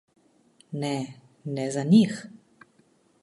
Ne, ne za njih.